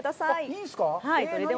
いいんすか？